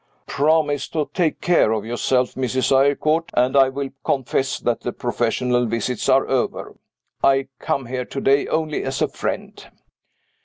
"Promise to take care of yourself, Mrs. Eyrecourt, and I will confess that the professional visits are over. I come here to day only as a friend."